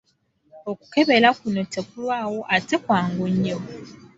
Okukebera kuno tekulwawo ate kwangu nnyo.